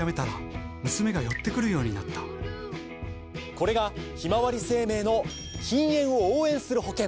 これがひまわり生命の禁煙を応援する保険！